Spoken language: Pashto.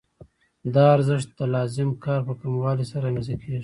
دا ارزښت د لازم کار په کموالي سره رامنځته کېږي